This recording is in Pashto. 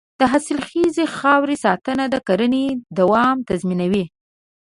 د حاصلخیزې خاورې ساتنه د کرنې دوام تضمینوي.